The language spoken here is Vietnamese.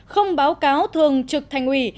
không báo cáo thường trực thành ủy